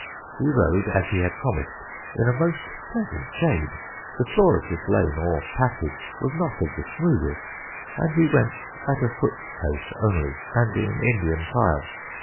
We rode, as he had promised, in a most pleasant shade. The floor of this lane or passage was not of the smoothest, and we went at a foot's pace only, and in Indian file.